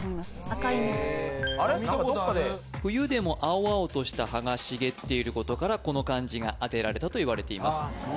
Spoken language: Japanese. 赤い実のあれ見たことある冬でも青々とした葉が茂っていることからこの漢字が当てられたといわれています